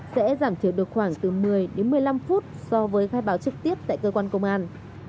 sẽ giảm thiểu được khoảng từ một mươi đến một mươi năm phút so với khai báo trực tiếp tại cơ quan công an